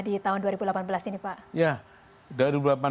di tahun dua ribu delapan belas ini pak